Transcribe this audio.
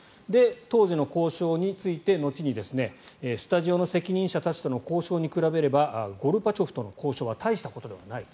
当時の交渉について、後にスタジオの責任者たちとの交渉に比べればゴルバチョフとの交渉は大したことではない。